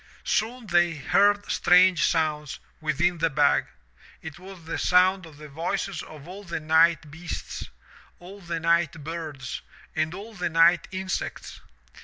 Soon they heard strange sounds within the bag. It was the sound of the voices of all the night beasts, all the night birds, and all the night insects.